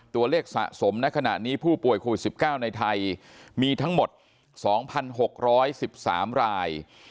ตัวเลขสะสมในขณะนี้ผู้ป่วยโควิด๑๙ในไทยมีทั้งหมด๒๖๑๓ราย